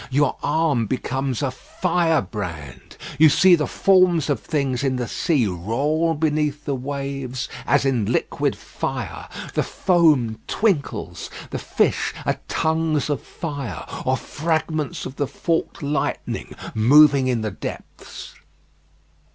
Your arm becomes a firebrand. You see the forms of things in the sea roll beneath the waves as in liquid fire. The foam twinkles. The fish are tongues of fire, or fragments of the forked lightning, moving in the depths.